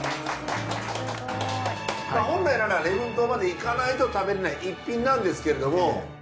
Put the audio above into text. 本来なら礼文島まで行かないと食べられない逸品なんですけれども。